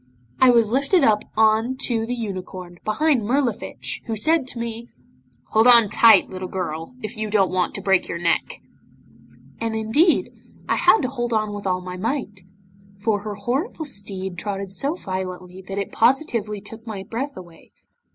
I was lifted up on to the unicorn, behind Mirlifiche, who said to me '"Hold on tight, little girl, if you don't want to break your neck." 'And, indeed, I had to hold on with all my might, for her horrible steed trotted so violently that it positively took my breath away.